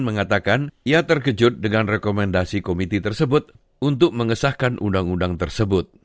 mengatakan ia terkejut dengan rekomendasi komite tersebut untuk mengesahkan undang undang tersebut